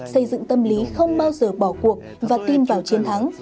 xây dựng tâm lý không bao giờ bỏ cuộc và tin vào chiến thắng